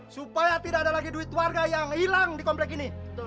supaya tidak ada lagi duit warga yang hilang di komplek ini